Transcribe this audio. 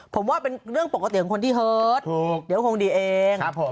ผมว่าเป็นเรื่องปกติของคนที่เฮิตถูกเดี๋ยวคงดีเอง